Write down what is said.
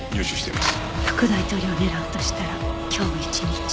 副大統領を狙うとしたら今日一日。